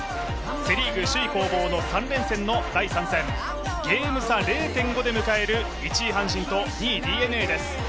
セ・リーグ首位攻防の３連戦、ゲーム差０．５で迎える１位・阪神と２位・ＤｅＮＡです。